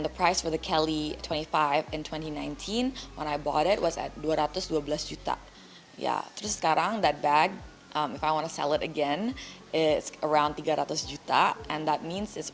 ketika ini kemungkinan ini akan menunjukkan kembangnya